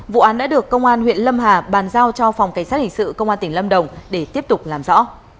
vụ án đã được công an huyện lâm hà bàn giao cho phòng cảnh sát hình sự công an tỉnh lâm đồng để tiếp tục làm rõ